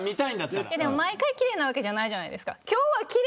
でも毎回奇麗なわけじゃないじゃないですか。